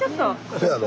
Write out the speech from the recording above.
せやろ。